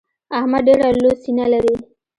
احمد ډېره لو سينه لري.